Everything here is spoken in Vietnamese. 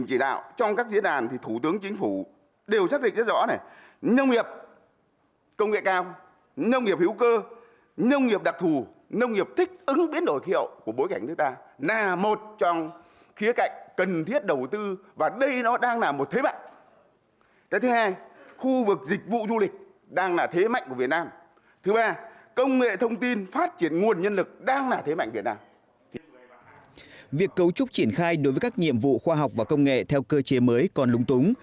việc cấu trúc triển khai đối với các nhiệm vụ khoa học và công nghệ theo cơ chế mới còn lúng túng